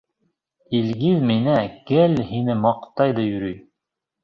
— Илгиз миңә гел һине маҡтай ҙа йөрөй.